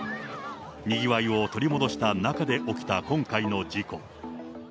にぎわいを取り戻した中で起きた今回の事故。